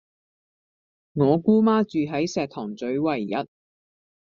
我姑媽住喺石塘嘴維壹